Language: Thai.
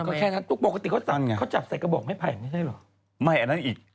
ก็แค่นั้นปกติเขาจับใส่กระบอกให้ไภไม่ใช่เหรอ